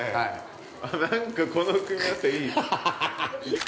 なんかこの組み合わせいい。